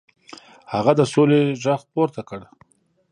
هغه د سولې غږ پورته کړ.